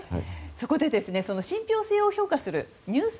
そこで、信憑性を評価するニュース